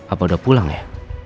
apa udah pulang ya